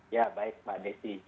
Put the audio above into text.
ya baik mbak nessy